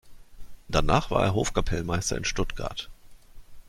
Danach war er Hofkapellmeister in Stuttgart.